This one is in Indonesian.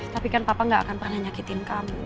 tapi kan papa gak akan pernah nyakitin kamu